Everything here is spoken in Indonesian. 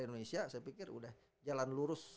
indonesia saya pikir udah jalan lurus